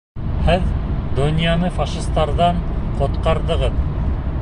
Һеҙ донъяны фашистарҙан ҡотҡарҙығыҙ.